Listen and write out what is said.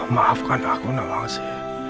maafkan aku nawangsi